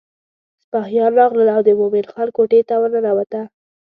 سپاهیان راغلل او د مومن خان کوټې ته ورننوته.